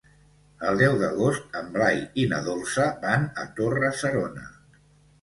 El deu d'agost en Blai i na Dolça van a Torre-serona.